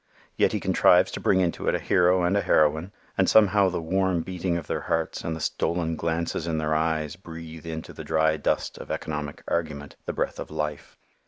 Yet he contrives to bring into it a hero and a heroine, and somehow the warm beating of their hearts and the stolen glances in their eyes breathe into the dry dust of economic argument the breath of life.